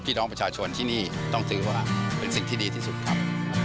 พี่น้องประชาชนที่นี่ต้องถือว่าเป็นสิ่งที่ดีที่สุดครับ